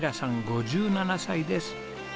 ５７歳です。